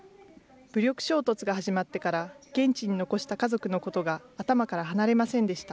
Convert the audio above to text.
武力衝突が始まってから、現地に残した家族のことが頭から離れませんでした。